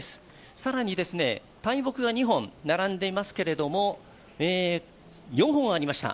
更に大木が２本並んでいますけれども、４本ありました。